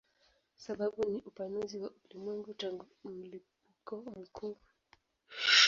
Sababu ni upanuzi wa ulimwengu tangu mlipuko mkuu.